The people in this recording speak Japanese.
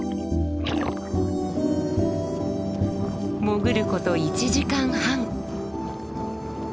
潜ること１時間半。